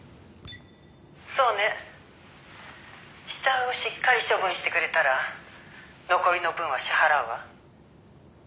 「そうね」「死体をしっかり処分してくれたら残りの分は支払うわ」